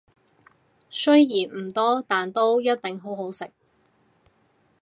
雖然唔多，但都一定好好食